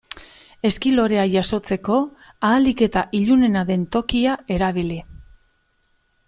Ezki lorea jasotzeko ahalik eta ilunena den tokia erabili.